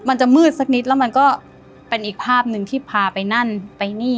มันจะมืดสักนิดแล้วมันก็เป็นอีกภาพหนึ่งที่พาไปนั่นไปนี่